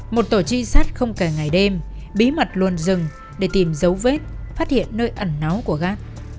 một tổ trinh sát không kể ngày đêm bí mật luôn dừng để tìm dấu vết phát hiện nơi ẩn náu của gác